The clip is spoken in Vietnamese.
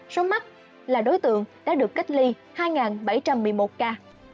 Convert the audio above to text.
số mắt là đối tượng đã được cách ly hai bảy trăm một mươi một ca